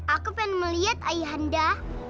aku ingin melihat ayahanda